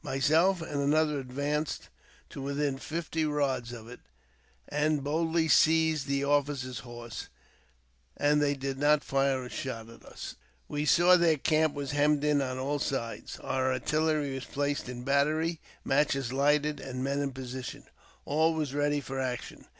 My self and another advanced to within fifty rods of it, and boldly seized the officer's horse, and they did not fire a shot at us. We saw their camp was hemmed in on all sides. Our artillery was placed in battery, matches lighted, and men in position — all was ready for action.